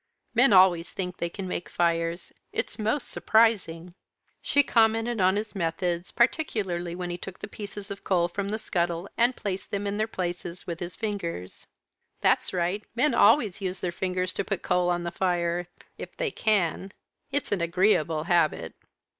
"Men always think they can make fires. It's most surprising." She commented on his methods particularly when he took the pieces of coal from the scuttle, and placed them in their places with his fingers. "That's right! Men always use their fingers to put coal on the fire if they can. It's an agreeable habit."